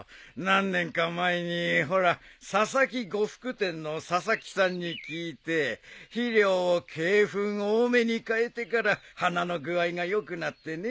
何年か前にほら佐々木呉服店の佐々木さんに聞いて肥料を鶏ふん多めに変えてから花の具合が良くなってね。